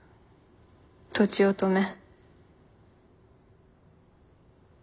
とちおとめ。